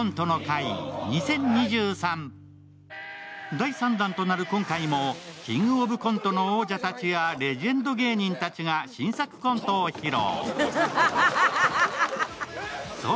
第３弾となる今回も「キングオブコント」の王者たちやレジェンド芸人たちが新作コントを披露。